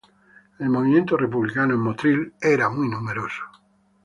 El movimiento republicano en Motril era muy numeroso.